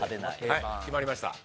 はい決まりました。